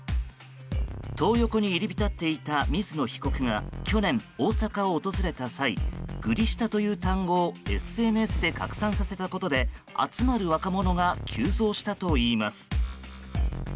トー横に入り浸っていた水野被告が去年、大阪を訪れた際グリ下という単語をＳＮＳで拡散させたことで集まる若者が急増したといいます。